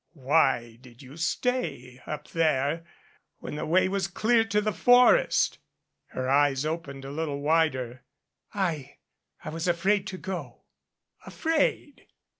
"Why did you stay up there when the way was clear to the forest." Her eyes opened a little wider. "I I was afraid to go." "Afraid!